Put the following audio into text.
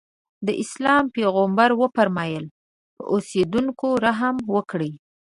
د اسلام پیغمبر وفرمایل په اوسېدونکو رحم وکړئ.